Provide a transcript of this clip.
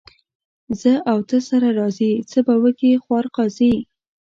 زه او ته سره راضي ، څه به وکي خوار قاضي.